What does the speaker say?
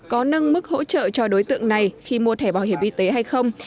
có nâng mức hỗ trợ cho đối tượng này khi mua thẻ bảo hiểm y tế hay không